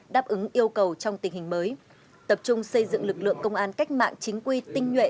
đáp ứng yêu cầu trong tình hình mới tập trung xây dựng lực lượng công an cách mạng chính quy tinh nhuệ